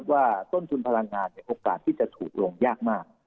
ว่าต้นทุนพลังงานโอกาสที่จะถูกลงยากมาก